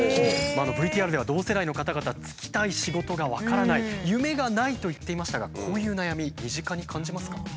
ＶＴＲでは同世代の方々就きたい仕事が分からない夢がないと言っていましたがこういう悩み身近に感じますか？